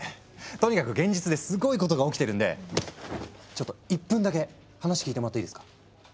とにかく現実ですごいことが起きてるんでちょっと１分だけ話聞いてもらっていいですか？